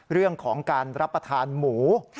เรื่องของการรับประทานหมู